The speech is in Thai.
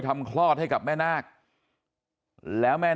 สวัสดีครับคุณผู้ชาย